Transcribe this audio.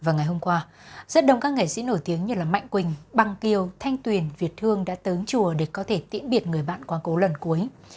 và ngày hôm qua rất đông các nghệ sĩ nổi tiếng như mạnh quỳnh băng kiều thanh tuyền việt thương đã tới chùa để có thể tiễn biệt người bạn quá cố lần cuối